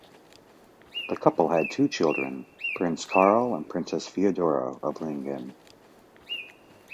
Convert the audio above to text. The couple had two children, Prince Carl and Princess Feodora of Leiningen.